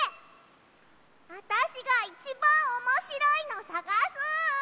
あたしがいちばんおもしろいのさがす！